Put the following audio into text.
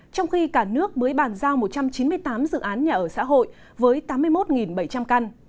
trong khi cả nước mới bàn giao một trăm chín mươi tám dự án nhà ở xã hội với tám mươi một bảy trăm linh căn